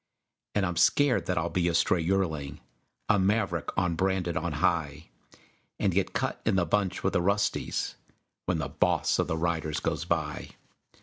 And I'm scared that I'll be a stray yearling, A maverick, unbranded on high, And get cut in the bunch with the "rusties" When the Boss of the Riders goes by.